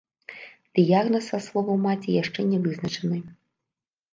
Дыягназ, са словаў маці, яшчэ не вызначаны.